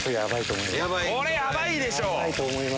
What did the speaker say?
これヤバいでしょ！